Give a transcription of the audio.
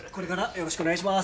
よろしくお願いします！